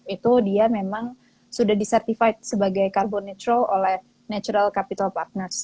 itu dia memang sudah disertified sebagai carbon natural oleh natural capital partners